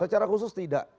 secara khusus tidak